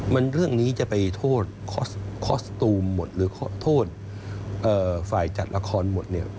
มันเรื่องนี้จะไปโทษคอสตูมหมดหรือขอโทษฝ่ายจัดละครหมดเนี่ย